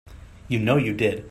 You know you did.